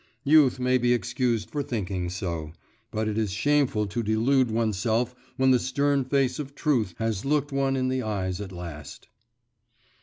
Youth may be excused for thinking so. But it is shameful to delude oneself when the stern face of truth has looked one in the eyes at last.